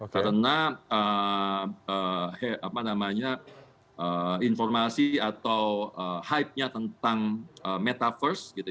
karena informasi atau hype nya tentang metaverse